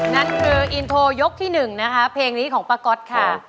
นั่นคืออินโทรยกที่๑นะคะเพลงนี้ของป้าก๊อตค่ะ